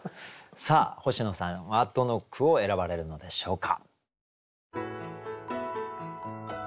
さあ星野さんはどの句を選ばれるのでしょうか。